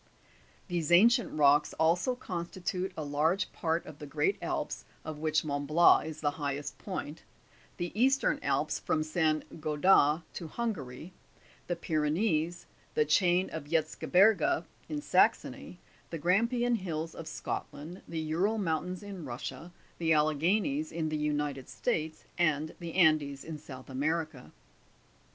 these ancient rocks also constitute a krge part of the Great Alps, of which Mont Blanc is the highest point, the Eastern Alps from Saint Gothard to Hungary, the Pyrenees, the chain of Erzge berge, in Saxony, the Grampian Hills of Scotland, the Oural mountains, in Russia, the Alleghanies in the United States, and the Andes in South America.